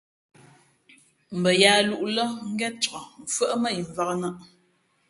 Mbα yaā lūʼ lά ngén cak mfʉ́άʼ mά yi mvǎk nᾱʼ.